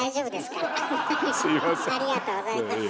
ありがとうございます。